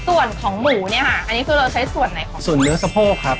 ส่วนของหมูเนี่ยค่ะอันนี้คือเราใช้ส่วนไหนของส่วนเนื้อสะโพกครับ